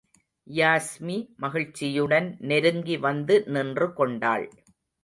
யாஸ்மி மகிழ்ச்சியுடன் நெருங்கி வந்து நின்று கொண்டாள்.